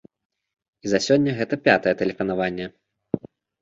І за сёння гэта пятае тэлефанаванне.